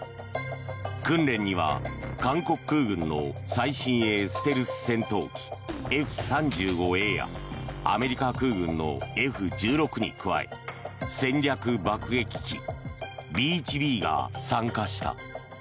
訓練には韓国軍の最新鋭ステルス戦闘機Ｆ３５Ａやアメリカ空軍のＦ１６に加え戦略爆撃機Ｂ１Ｂが参加した。